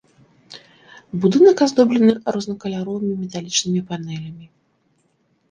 Будынак аздоблены рознакаляровымі металічнымі панэлямі.